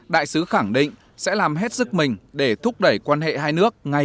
đại sứ khẳng định sẽ làm hết sức mình để thúc đẩy quan hệ hai nước ngày càng nhanh